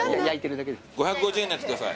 ５５０円のやつ下さい。